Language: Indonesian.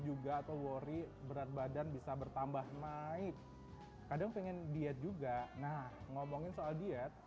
juga atau worry berat badan bisa bertambah naik kadang pengen diet juga nah ngomongin soal diet